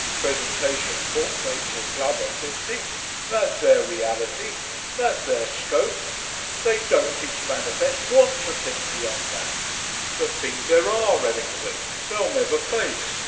Presentation portrait to a club at fifty. That's their Reality. That's their scope. They don't, it's manifest, WANT to think beyond that. The things there ARE, Remington, they'll never face!